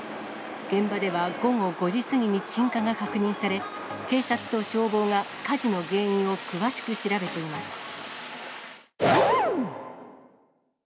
現場では午後５時過ぎに鎮火が確認され、警察と消防が火事の原因を詳しく調べています。